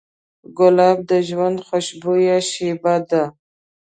ګلاب د ژوند خوشبویه شیبه ده.